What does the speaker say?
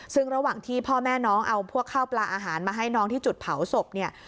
ซึ่งระหว่างที่พ่อแม่น้องเอาพวกข้าวปลาอาหารมาให้น้องที่จุดเผาศพเนี่ย